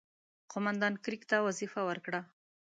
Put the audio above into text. قوماندان کرېګ ته وظیفه ورکړه.